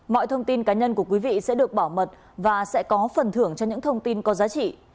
mọi thông tin cá nhân của quý vị sẽ được bảo mật và sẽ có phần thưởng cho những thông tin có giá trị